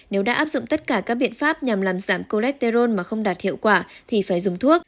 nếu đã áp dụng tất cả các biện pháp nhằm làm giảm cholesterol mà không đạt hiệu quả thì phải dùng thuốc